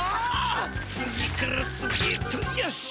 次から次へとよし！